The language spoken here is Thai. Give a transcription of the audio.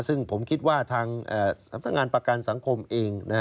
ซึ่งผมคิดว่าทางสำนักงานประกันสังคมเอง